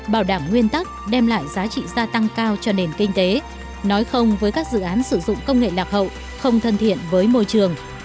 bảo đảm nguyên tắc đem lại giá trị gia tăng cao cho nền kinh tế nói không với các dự án sử dụng công nghệ lạc hậu không thân thiện với môi trường